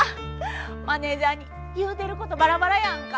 マネージャーに「言うてることバラバラやんか」